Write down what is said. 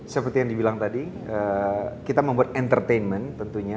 seperti yang dibilang tadi kita membuat entertainment tentunya